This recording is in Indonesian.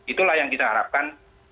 itulah yang kita harapkan